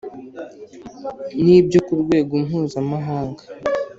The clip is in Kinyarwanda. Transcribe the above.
n ibyo ku rwego mpuzamahanga